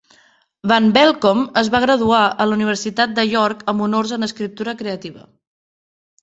Van Belkom es va graduar a la Universitat de York amb honors en escriptura creativa.